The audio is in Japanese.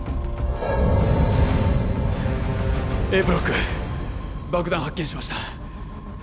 Ａブロック爆弾発見しました